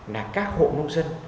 là các hộ nông dân